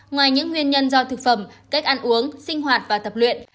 ngoài những nguyên nhân do thực phẩm cách ăn uống sinh hoạt và tập luyện